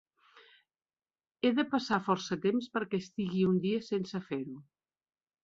Ha de passar força temps perquè estiguis un dia sense fer-ho.